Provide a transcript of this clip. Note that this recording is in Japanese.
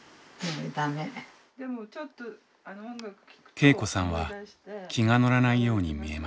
恵子さんは気が乗らないように見えました。